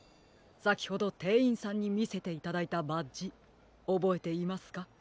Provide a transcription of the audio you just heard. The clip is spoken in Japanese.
さきほどてんいんさんにみせていただいたバッジおぼえていますか？